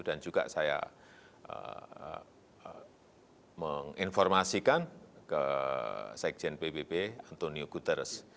dan juga saya menginformasikan ke sekjen ppp antonio guterres